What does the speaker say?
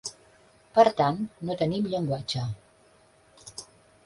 Per tant, no tenim llenguatge.